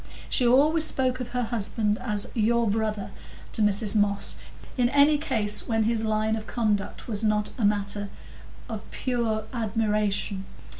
She always spoke of her husband as "your brother" to Mrs Moss in any case when his line of conduct was not matter of pure admiration.